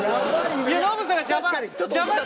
いやノブさんが邪魔